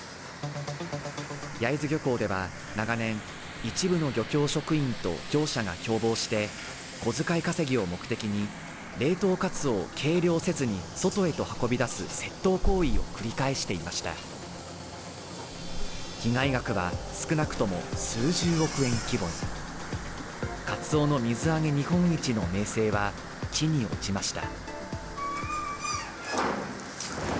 焼津漁港では長年一部の漁協職員と業者が共謀して小遣い稼ぎを目的に冷凍カツオを計量せずに外へと運び出す窃盗行為を繰り返していました被害額は少なくとも数十億円規模にカツオの水揚げ日本一の名声は地に落ちました